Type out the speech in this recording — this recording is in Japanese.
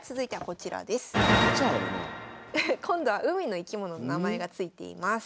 今度は海の生き物の名前が付いています。